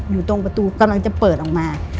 อยู่ตรงประตูกำลังจะเปิดออกมา